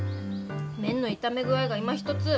麺の炒め具合がいまひとつ。